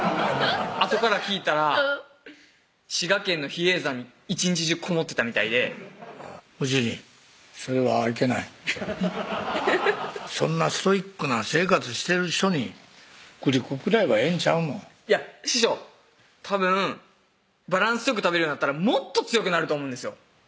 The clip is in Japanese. あとから聞いたら滋賀県の比叡山に一日中こもってたみたいでご主人それはいけないそんなストイックな生活してる人にグリコぐらいはええんちゃうのいや師匠たぶんバランスよく食べるようになったらもっと強くなると思うんですよ